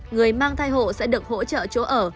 người mang thai hộ sẽ được hỗ trợ chỗ ở